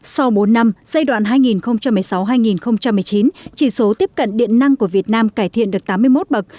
sau bốn năm giai đoạn hai nghìn một mươi sáu hai nghìn một mươi chín chỉ số tiếp cận điện năng của việt nam cải thiện được tám mươi một bậc